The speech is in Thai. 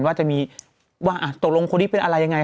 ว่าจะมีว่าตกลงคนนี้เป็นอะไรยังไง